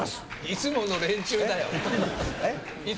いつもの連中だよ。え？